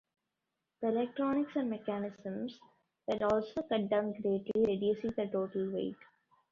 The electronics and mechanisms were also cut down greatly, reducing the total weight.